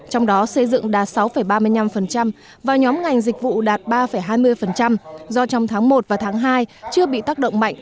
trong đó xây dựng đạt sáu ba mươi năm và nhóm ngành dịch vụ đạt ba hai mươi do trong tháng một và tháng hai chưa bị tác động mạnh